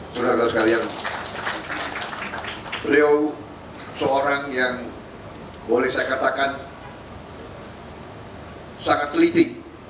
saudara saudara sekalian beliau seorang yang boleh saya katakan sangat teliti